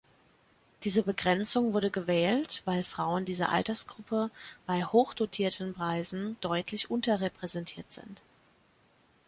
Diese Begrenzung wurde gewählt, weil Frauen dieser Altersgruppe bei hochdotierten Preisen deutlich unterrepräsentiert sind.